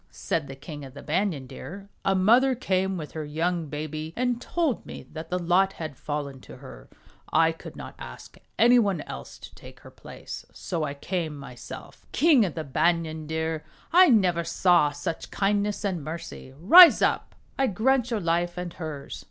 said the King of the Banyan Deer, "a mother came with her young baby and told me that the lot had fallen to her. I could not ask any one else to take her place, so I came myself." 61 JATAKA TALES 'Rise up. I grant your life and hers. "King of the Banyan Deer ! I never saw such kind ness and mercy. Rise up. I grant your life and hers.